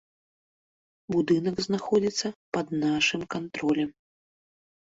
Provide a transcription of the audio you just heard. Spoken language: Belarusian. Будынак знаходзіцца пад нашым кантролем.